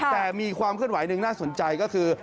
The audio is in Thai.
แต่มีความเคลื่อนไหวหนึ่งน่าสนใจก็คือ